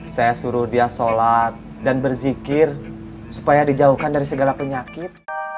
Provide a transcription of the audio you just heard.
saya suruh dia sholat dan berzikir supaya dijauhkan dari segala penyakit